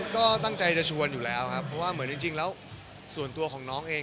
ก็ตั้งใจจะชวนอยู่แล้วครับเพราะว่าเหมือนจริงแล้วส่วนตัวของน้องเอง